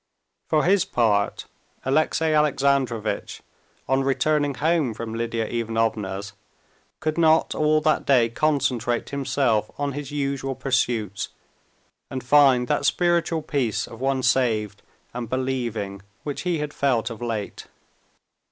For his part, Alexey Alexandrovitch, on returning home from Lidia Ivanovna's, could not all that day concentrate himself on his usual pursuits, and find that spiritual peace of one saved and believing which he had felt of late.